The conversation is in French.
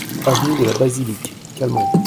Avenue de la Basilique, Calmont